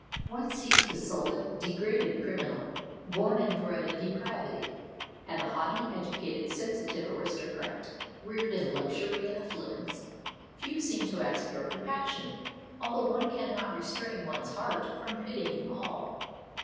One sees the sullen, degraded criminal, born and bred in depravity, and the haughty, educated, sensitive aristocrat, reared in luxury and affluence. Few seem to ask your compassion, although one cannot re strain one's heart from pitying all.